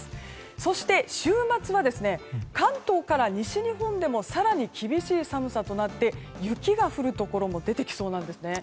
そして、週末は関東から西日本でも更に厳しい寒さとなって雪が降るところも出てきそうなんですね。